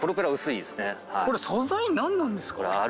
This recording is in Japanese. これ素材何なんですか？